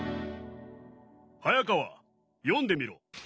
早川読んでみろ。